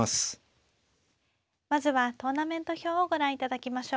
まずはトーナメント表をご覧いただきましょう。